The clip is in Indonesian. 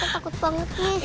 takut banget meh